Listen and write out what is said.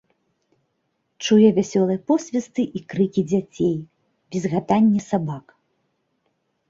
Чуе вясёлыя посвісты і крыкі дзяцей, візгатанне сабак.